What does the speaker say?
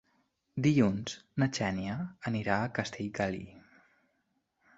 Dilluns na Xènia anirà a Castellgalí.